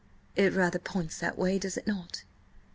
"It rather points that way, does it not?"